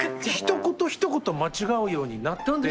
ひと言ひと言間違うようになって。